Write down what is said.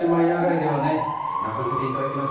ではね、泣かせていただきました。